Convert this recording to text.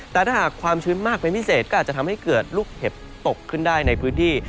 แต่ถ้าหากความชื้นมากเป็นพิเศษก็อาจจะทำให้เกิดลูกเห็บตกขึ้นได้ในพื้นที่